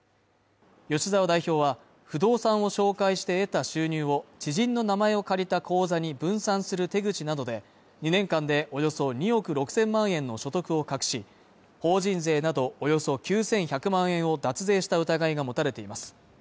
吉沢代表は不動産を紹介して得た収入を、知人の名前を借りた口座に分散する手口などで２年間でおよそ２億６０００万円の所得を隠し、法人税などおよそ９１００万円を脱税した疑いが持たれています。